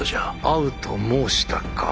会うと申したか。